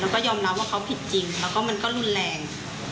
แล้วก็ยอมรับว่าเขาผิดจริงแล้วก็มันก็รุนแรง